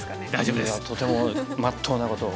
いやとてもまっとうなことを。